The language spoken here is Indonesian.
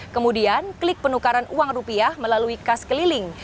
kemudian klik penukaran uang rupiah melalui kas keliling